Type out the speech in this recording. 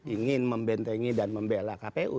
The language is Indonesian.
ingin membentengi dan membela kpu